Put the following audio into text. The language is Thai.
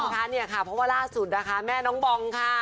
เพราะว่าล่าสุดนะคะแม่น้องบองค่ะ